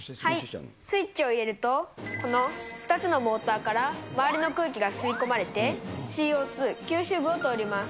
スイッチを入れると、この２つのモーターから周りの空気が吸い込まれて、ＣＯ２吸収部を通ります。